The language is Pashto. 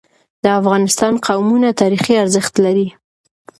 د افغانستان قومونه تاریخي ارزښت لري.